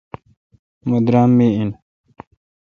مہ درام می این